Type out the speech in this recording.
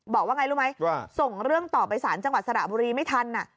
บอกว่าไงรู้ไหมว่าส่งเรื่องต่อไปสารจังหวัดสระบุรีไม่ทัน